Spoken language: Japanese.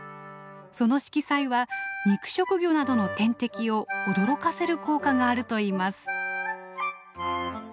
その色彩は肉食魚などの天敵を驚かせる効果があるといいます。